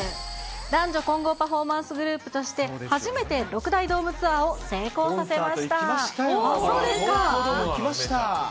男女混合パフォーマンスグループとして、初めて６大ドームツアーコンサート行きましたよ。